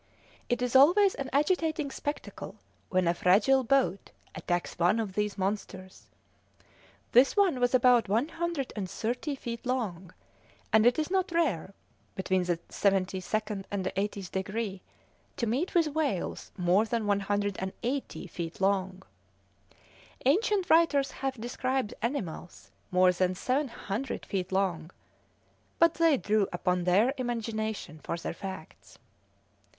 It is always an agitating spectacle when a fragile boat attacks one of these monsters; this one was about 130 feet long, and it is not rare, between the 72nd and the 80th degree, to meet with whales more than 180 feet long. Ancient writers have described animals more than 700 feet long, but they drew upon their imagination for their facts.